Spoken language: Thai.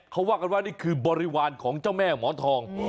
เขาว่ากันว่านี่คือบริวารของเจ้าแม่หมอนทอง